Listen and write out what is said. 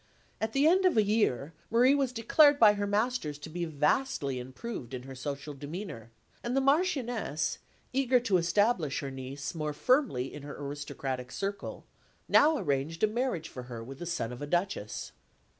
At the end of a year, Marie was declared by her masters to be vastly improved in her social demeanour; and the Marchioness, eager to establish her niece more firmly in her aristocratic circle, now arranged a marriage for her with the son of a Duchess.